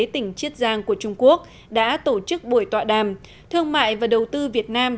tỉnh chiết giang của trung quốc đã tổ chức buổi tọa đàm thương mại và đầu tư việt nam